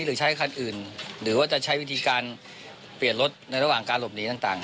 หรือใช้คันอื่นหรือว่าจะใช้วิธีการเปลี่ยนรถในระหว่างการหลบหนีต่าง